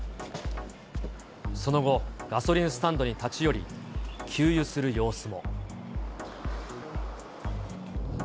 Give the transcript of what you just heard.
その後、ガソリンスタンドに立ち寄り、給油する様子も。